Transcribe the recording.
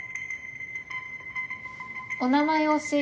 お名前を教えて。